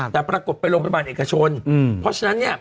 แต่ปรากฏไปโรงพยาบาลเอกชนเพราะฉะนั้นเนี่ย